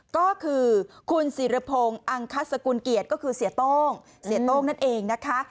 ก็คือคุณศิรพงศ์อังคัสสกุลเกียรติก็คือเสียโต้งเสียโต้งนั่นเองนะคะ